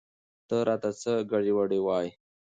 ته راته څه ګډې وګډې وايې؟